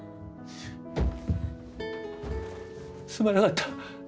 すまなかった。